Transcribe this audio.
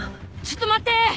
ちょっと待て！